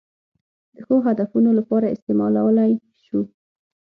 د ښو هدفونو لپاره استعمالولای شو.